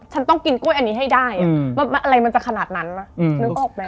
ฉันต้องกินกล้วยอันนี้ให้ได้ว่าอะไรมันจะขนาดนั้นนึกออกไหม